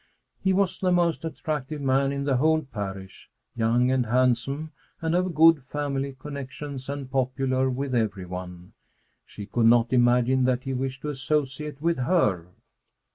He was the most attractive man in the whole parish, young and handsome and of good family connections and popular with every one. She could not imagine that he wished to associate with her.